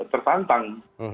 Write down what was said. industri secara umum tertantang